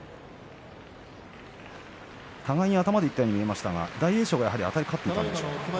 互いに頭でいったように見えましたが大栄翔があたり勝ったんでしょうか。